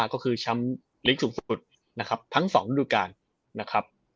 ก็คือแชมป์ลิกสุดทั้ง๒ด้วยการนะครับ